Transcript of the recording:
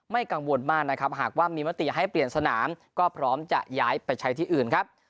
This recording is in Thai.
กังวลมากนะครับหากว่ามีมติให้เปลี่ยนสนามก็พร้อมจะย้ายไปใช้ที่อื่นครับ